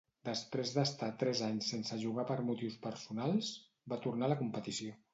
Després d'estar tres anys sense jugar per motius personals, va tornar a la competició.